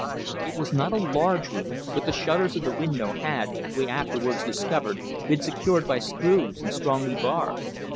It was not a large room, but the shutters of the window had, we afterwards discovered, been secured by screws and strongly barred.